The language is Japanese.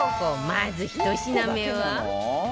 まず１品目は